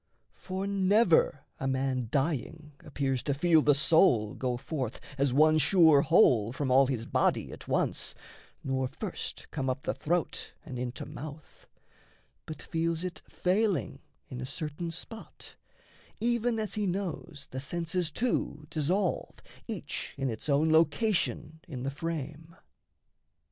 For never a man Dying appears to feel the soul go forth As one sure whole from all his body at once, Nor first come up the throat and into mouth; But feels it failing in a certain spot, Even as he knows the senses too dissolve Each in its own location in the frame.